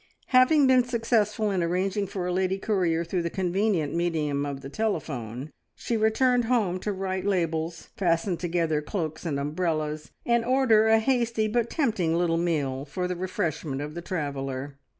Having been successful in arranging for a lady courier through the convenient medium of the telephone, she returned home to write labels, fasten together cloaks and umbrellas, and order a hasty but tempting little meal for the refreshment of the traveller.